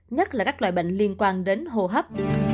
nhất là các loại bệnh liên quan đến hô hấp